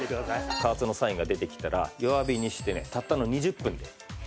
加圧のサインが出てきたら弱火にしてねたったの２０分で出来上がります。